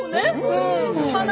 うん。